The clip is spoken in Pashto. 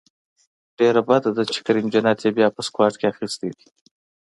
ډیره بده ده چې کریم جنت یې بیا په سکواډ کې اخیستی دی